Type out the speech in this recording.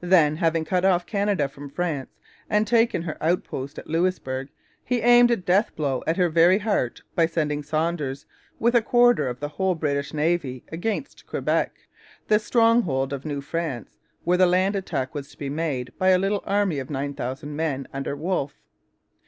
Then, having cut off Canada from France and taken her outpost at Louisbourg, he aimed a death blow at her very heart by sending Saunders, with a quarter of the whole British Navy, against Quebec, the stronghold of New France, where the land attack was to be made by a little army of 9,000 men under Wolfe.